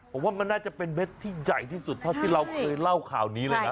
ผมว่ามันน่าจะเป็นเม็ดที่ใหญ่ที่สุดเท่าที่เราเคยเล่าข่าวนี้เลยนะ